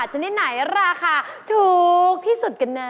ชนิดไหนราคาถูกที่สุดกันนะ